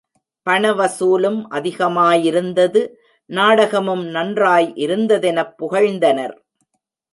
பண வசூலும் அதிகமாயிருந்தது நாடகமும் நன்றாய் இருந்ததெனப் புகழ்ந்தனர்.